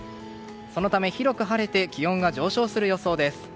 そのため、広く晴れて気温が上昇する予想です。